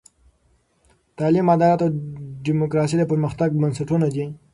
تعلیم، عدالت او دیموکراسي د پرمختګ بنسټونه دي.